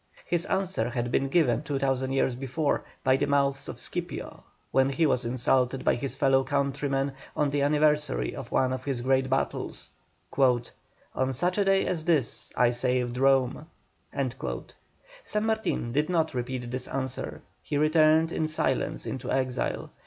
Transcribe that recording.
His answer had been given two thousand years before, by the mouth of Scipio, when he was insulted by his fellow countrymen on the anniversary of one of his great battles: "On such a day as this I saved Rome." San Martin did not repeat this answer, he returned in silence into exile.